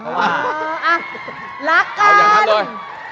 เอาอย่างนั้นด้วย